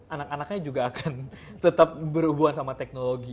anak anaknya juga akan tetap berhubungan sama teknologi